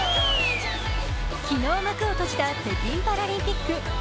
昨日、幕を閉じた北京パラリンピック。